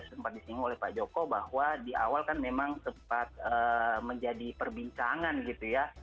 sempat disinggung oleh pak joko bahwa di awal kan memang sempat menjadi perbincangan gitu ya